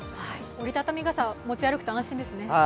折りたたみ傘持ち歩くと安心ですね。